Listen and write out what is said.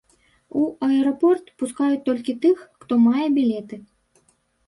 У аэрапорт пускаюць толькі тых, хто мае білеты.